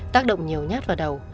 tác động nhiều nhát vào đầu